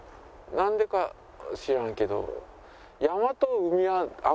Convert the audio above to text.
なんでか知らんけど。